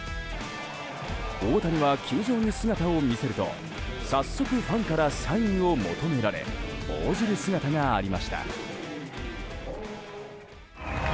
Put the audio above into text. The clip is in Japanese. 大谷は球場に姿を見せると早速ファンからサインを求められ応じる姿がありました。